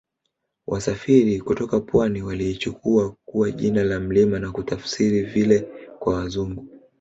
Wafasiri kutoka pwani waliichukua kuwa jina la mlima na kutafsiri vile kwa Wazungu